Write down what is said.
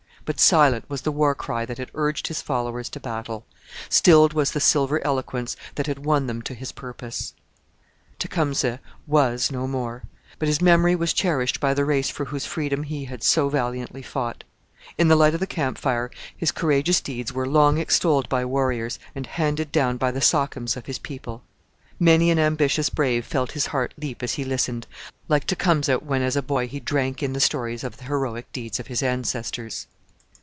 But silent was the war cry that had urged his followers to battle; stilled was the silver eloquence that had won them to his purpose. Tecumseh was no more; but his memory was cherished by the race for whose freedom he had so valiantly fought. In the light of the camp fire his courageous deeds were long extolled by warriors and handed down by the sachems of his people. Many an ambitious brave felt his heart leap as he listened like Tecumseh when as a boy he drank in the stories of the heroic deeds of his ancestors.